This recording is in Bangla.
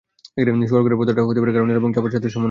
শোয়ার ঘরের পর্দাটা হতে পারে গাঢ় নীল এবং চাপা সাদার সমন্বয়ে।